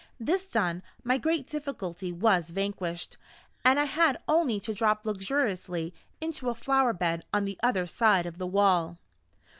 This done, my great difficulty was vanquished; and I had only to drop luxuriously into a flower bed on the other side of the wall.